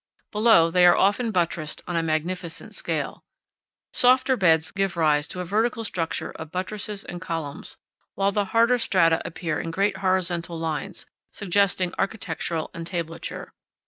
Below they are often buttressed on a magnificent scale. Softer beds give rise to a vertical structure of buttresses and columns, while the harder strata appear in great horizontal lines, suggesting MESAS AND BUTTES. 47 architectural entablature.